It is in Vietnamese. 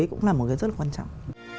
cũng là một cái rất là quan trọng